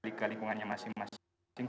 jika lingkungannya masih masing masing